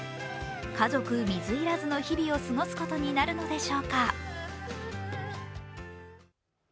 家族水入らずの日々を過ごすことになるのでしょうか。